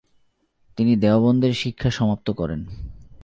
তিনি দেওবন্দের শিক্ষা সমাপ্ত করেন।